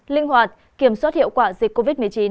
linh hoạt kiểm soát hiệu quả dịch covid một mươi chín